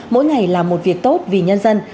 mỗi ngày làm một việc tốt vì nhân dân